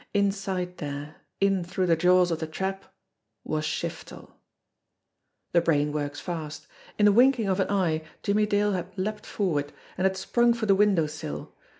Inside there, in through the jaws of the trap was Shiftel! The brain works fast. In the winking of an eye Jimmie Dale had leaped forward, and had sprung for the window sill.